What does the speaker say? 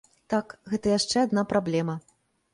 Так, гэта яшчэ адна праблема.